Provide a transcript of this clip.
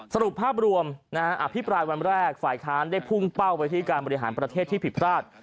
สรุปภาพรวมอภิปรายวันแรกฝ่ายค้านได้พุ่งเป้าไปที่การบริหารประเทศที่ผิดพลาด